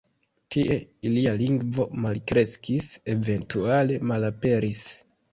Tie ilia lingvo malkreskis eventuale malaperis.